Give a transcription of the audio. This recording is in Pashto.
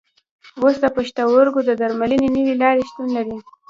اوس د پښتورګو د درملنې نوې لارې شتون لري.